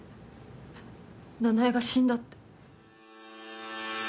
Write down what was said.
奈々江が死んだって。